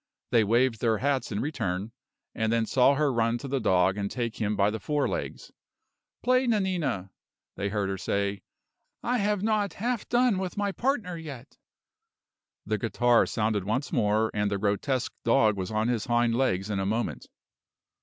They waved their hats in return; and then saw her run to the dog and take him by the forelegs. "Play, Nanina," they heard her say. "I have not half done with my partner yet." The guitar sounded once more, and the grotesque dog was on his hind legs in a moment.